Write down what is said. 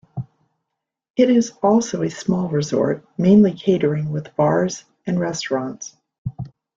It is also a small resort, mainly catering with bars and restaurants.